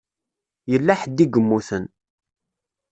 Yella ḥedd i yemmuten.